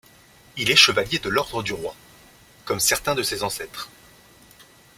Il est chevalier de l’Ordre du Roy, comme certains de ses ancêtres.